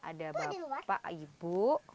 ada bapak ibu